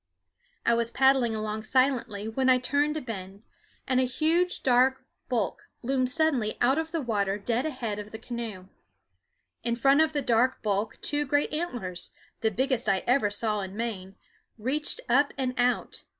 I was paddling along silently when I turned a bend, and a huge dark bulk loomed suddenly out of the water dead ahead of the canoe. In front of the dark bulk two great antlers, the biggest I ever saw in Maine, reached up and out.